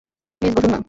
Please বসুন না।